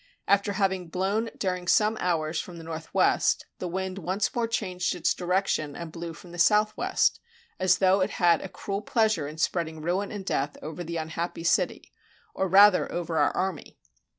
And after having blown during some hours from the northwest, the wind once more changed its direction and blew from the southwest, as though it had a cruel pleas ure in spreading ruin and death over the unhappy city, or rather, over our army.